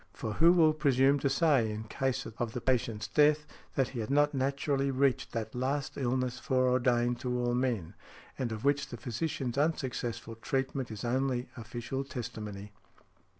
For who will presume to say, in case of the patient's death, that he had not naturally reached that last illness foreordained to all men, and of which the physician's unsuccessful treatment is only official testimony?